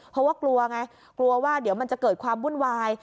เพราะว่ากลัวไงกลัวว่าเดี๋ยวมันจะเกิดความวุ่นวาย